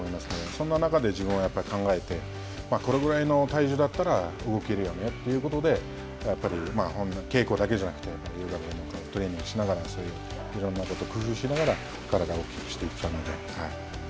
そんな中で自分は、考えて、これぐらいの体重だったら動けるよねということで、稽古だけじゃなくて、トレーニングをしながら、いろんなことを工夫しながら、体を大きくしていったので。